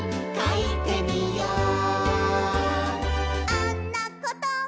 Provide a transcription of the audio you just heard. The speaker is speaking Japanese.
「あんなこと」